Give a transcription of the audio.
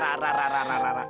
rah rah rah rah rah rah rah